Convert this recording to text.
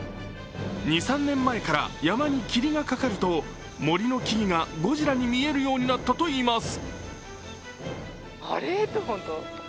２３年前から山に霧がかかると森の木々がゴジラに見えるようになったといいます。